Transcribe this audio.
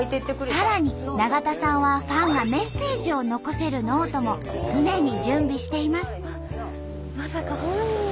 さらに永田さんはファンがメッセージを残せるノートも常に準備しています。